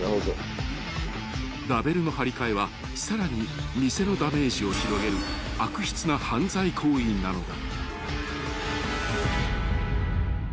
［ラベルの貼り替えはさらに店のダメージを広げる悪質な犯罪行為なのだ］